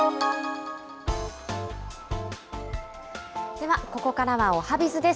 では、ここからはおはＢｉｚです。